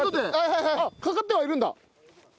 あっかかってはいるんだ。